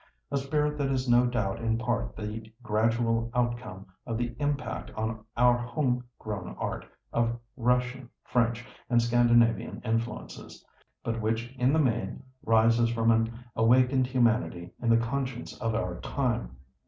A spirit that is no doubt in part the gradual outcome of the impact on our home grown art, of Russian, French, and Scandinavian influences, but which in the main rises from an awakened humanity in the conscience of our time.